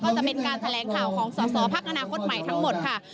จะเป็นการแถลงข่าวของสอสอพักอนาคตใหม่ทั้งหมดค่ะ